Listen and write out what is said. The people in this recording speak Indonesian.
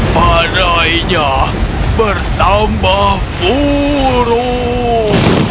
padainya bertambah buruk